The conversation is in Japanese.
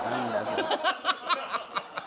ハハハハ。